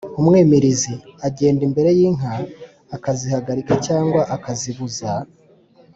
umwimirizi: ugenda imbere y’inka akazihagarika cyangwa akazibuza